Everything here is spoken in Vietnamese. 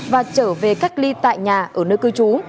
và trở về cách ly tại nhà ở nơi cư trú